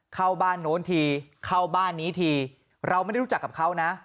เข้าบ้านโน้นทีเข้าบ้านนี้ทีเราไม่ได้รู้จักกับเขานะ